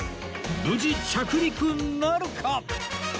無事着陸なるか？